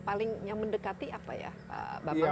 paling mendekati apa ya pak babang